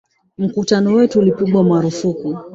Mkutano wetu ulipigwa marufuku